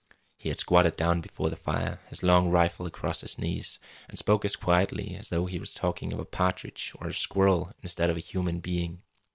He had squatted down before the fire, his long rifle across his knees, and spoke as quietly as though he was talking of a partridge or a squirrel instead of a human being.